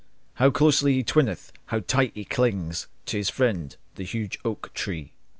How closely he twineth, how tight he clings To his friend, the huge oak tree!